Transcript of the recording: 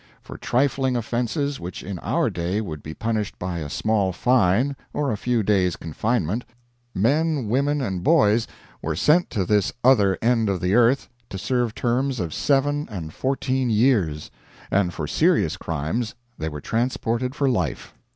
For trifling offenses which in our day would be punished by a small fine or a few days' confinement, men, women, and boys were sent to this other end of the earth to serve terms of seven and fourteen years; and for serious crimes they were transported for life.